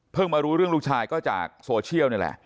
มารู้เรื่องลูกชายก็จากโซเชียลนี่แหละ